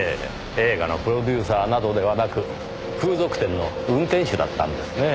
映画のプロデューサーなどではなく風俗店の運転手だったんですねぇ。